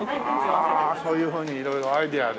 ああそういうふうに色々アイデアで。